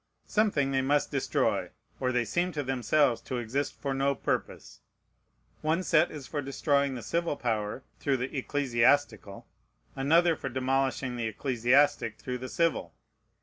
Something they must destroy, or they seem to themselves to exist for no purpose. One set is for destroying the civil power through the ecclesiastical; another for demolishing the ecclesiastic through the civil.